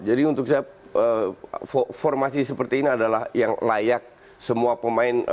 jadi untuk saya formasi seperti ini adalah yang layak semua pemain